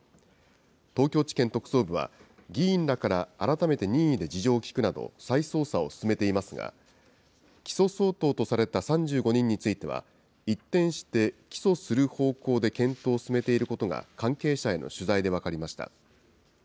東京地検特捜部は、議員らから改めて任意で事情を聴くなど、再捜査を進めていますが、起訴相当とされた３５人については、一転して起訴する方向で検討を進めていることが、関係者への取材で分かりました。